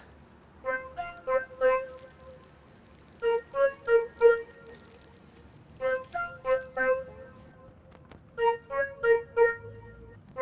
sekarang lu akan berubah jadi rindu dan gayo derived saya